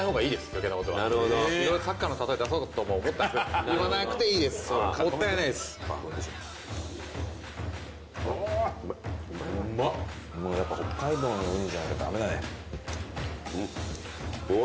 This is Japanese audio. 余計なことはサッカーの例え出そうとも思ったんですけど言わなくていいですもったいないですあうんまっあっうまいうまいわもうやっぱ北海道のウニじゃなきゃダメだねうんうわ